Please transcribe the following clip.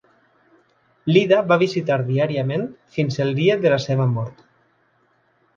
L'Ida va visitar diàriament fins el dia de la seva mort.